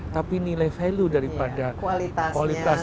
tapi nilai value daripada kualitasnya lebih tinggi